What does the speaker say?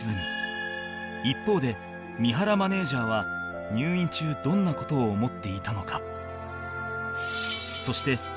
一方で三原マネージャーは入院中どんな事を思っていたのか？